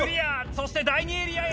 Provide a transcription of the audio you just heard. そして第２エリアへ！